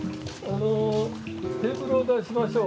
テーブルを出しましょう。